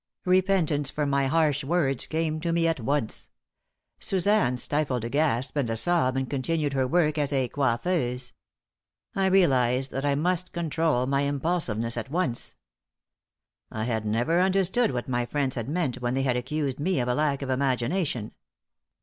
Repentance for my harsh words came to me at once. Suzanne stifled a gasp and a sob and continued her work as a coiffeuse. I realized that I must control my impulsiveness at once. I had never understood what my friends had meant when they had accused me of a lack of imagination.